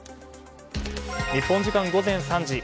日本時間午前３時。